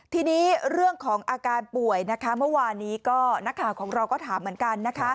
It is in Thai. ทีนี้เรื่องของอาการป่วยเมื่อวานนี้ของเราก็ถามเหมือนกัน